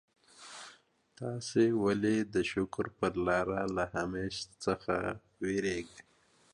تاسي ولي د شکر پر لاره له همېشهو څخه وېرېږئ؟